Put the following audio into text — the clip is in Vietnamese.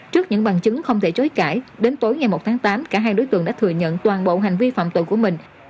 trước những bằng chứng không thể chối cãi đến tối ngày một tháng tám cả hai đối tượng đã thừa nhận toàn bộ hành vi phạm tội của mình